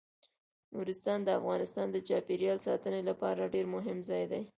نورستان د افغانستان د چاپیریال ساتنې لپاره ډیر مهم ځای دی.